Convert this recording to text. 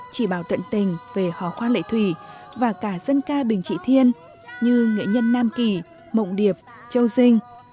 chỉ bảo tận tình về hò khoa lệ thủy và cả dân ca bình trị thiên như nghệ nhân nam kỳ mộng điệp châu dinh